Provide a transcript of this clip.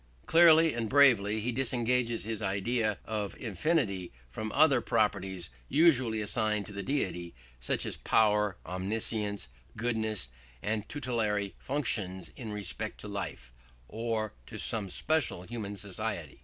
Clearly and bravely he disengages his idea of infinity from other properties usually assigned to the deity, such as power, omniscience, goodness, and tutelary functions in respect to life, or to some special human society.